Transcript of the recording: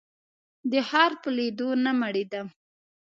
د ښار په لیدو نه مړېدم.